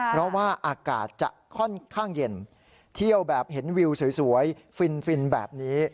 เพราะว่าอากาศจะค่อนข้างเย็นเที่ยวแบบเห็นวิวสวยฟินแบบนี้